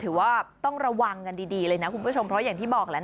ถือว่าต้องระวังกันดีเลยนะคุณผู้ชมเพราะอย่างที่บอกแหละ